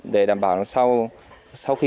để đảm bảo nó sau sau khi